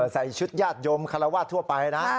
ใส่ชุดญาติโยมคาราวาสทั่วไปนะ